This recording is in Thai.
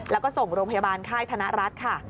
แล้วก็ส่งโรงพยาบาลค่ายธนรัฐค่ะ